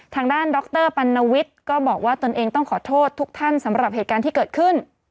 ทางด้านดรปัณวิทย์ก็บอกว่าตนเองต้องขอโทษทุกท่านสำหรับเหตุการณ์ที่เกิดขึ้น